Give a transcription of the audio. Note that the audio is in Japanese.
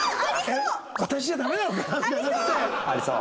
ありそう！